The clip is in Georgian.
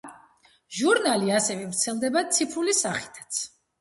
ჟურნალი ასევე ვრცელდება ციფრული სახითაც.